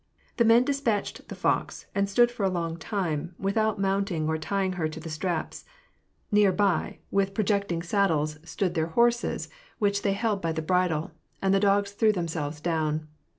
" The men despatched the fox, and stood for a long time, with out mounting or tying her to the straps. Near by, with pro 264 WAH AHto PEACE. iecting saddles, stood their horses, which they held by the bridle ; and the dogs threw themselves down.